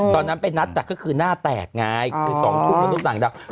ตอนนั้นไปนัดแต่ก็คือหน้าแตกไงคือสองทุกคนต้องสั่งดาว